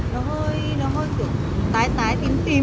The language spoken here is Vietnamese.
nó hơi nó hơi kiểu tái tái tím tím ý